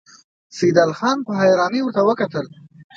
سيدال خان په حيرانۍ ورته وکتل.